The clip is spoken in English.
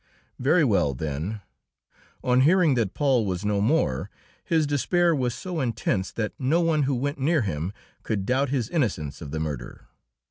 Very well, then on hearing that Paul was no more his despair was so intense that no one who went near him could doubt his innocence of the murder.